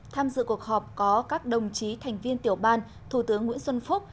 tham dự cuộc họp có các đồng chí thành viên tiểu ban thủ tướng nguyễn xuân phúc